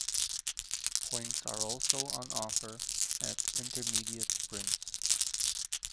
Points are also on offer at intermediate sprints.